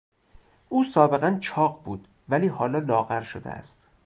او سابقا چاق بود ولی حالا لاغر شده است.